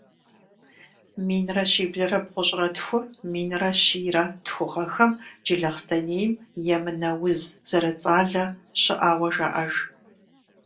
Минрэ щиблрэ бгъущӀрэ тху-минрэ щийрэ тху гъэхэм Джылахъстэнейм емынэ уз зэрыцӀалэ щыӀауэ жаӀэж.